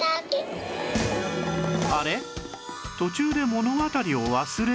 あれ？